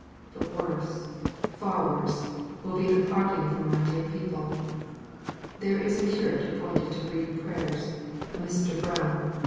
But worse, far worse, will be the parting from my dear people. There is a curate appointed to read prayers a Mr. Brown.